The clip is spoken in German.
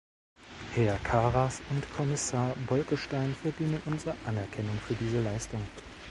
Herr Karas und Kommissar Bolkestein verdienen unsere Anerkennung für diese Leistung.